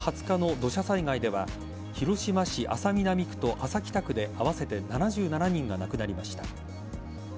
９年前の８月２０日の土砂災害では広島市安佐南区と安佐北区で合わせて７７人が亡くなりました。